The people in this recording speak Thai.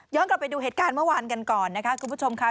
กลับไปดูเหตุการณ์เมื่อวานกันก่อนนะคะคุณผู้ชมค่ะ